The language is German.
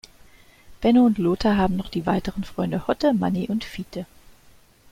Benno und Lothar haben noch die weiteren Freunde Hotte, Manni und Fiete.